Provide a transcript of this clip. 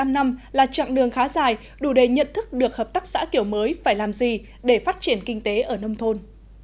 một mươi năm năm là chặng đường khá dài đủ để nhận thức được hợp tác xã kiểu mới phải làm gì để phát triển kinh tế ở nông thôn